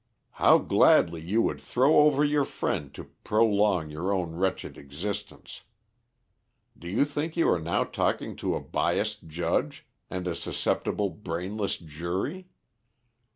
How gladly you would throw over your friend to prolong your own wretched existence! Do you think you are now talking to a biased judge and a susceptible, brainless jury?